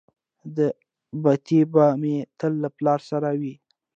دا بتۍ به مې تل له پلار سره وه.